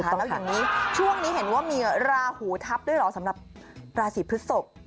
แล้วอย่างนี้ช่วงนี้เห็นว่ามีราหูทับด้วยเหรอสำหรับราศีพฤศพ